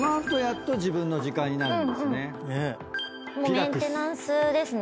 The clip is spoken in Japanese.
メンテナンスですね。